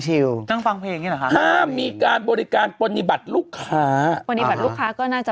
ชิวตั้งฟังเพลงหรอค่ะน่ะมีการบริการปรณีบัติลูกค้า